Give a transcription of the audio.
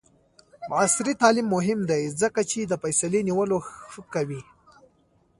عصري تعلیم مهم دی ځکه چې د فیصلې نیولو ښه کوي.